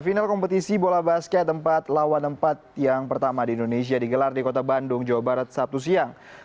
final kompetisi bola basket empat lawan empat yang pertama di indonesia digelar di kota bandung jawa barat sabtu siang